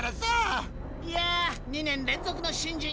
いや２年連続の新人。